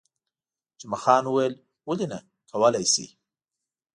جمعه خان وویل، ولې نه، کولای شئ.